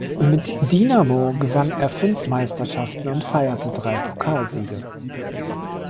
Mit Dinamo gewann er fünf Meisterschaften und feierte drei Pokalsiege.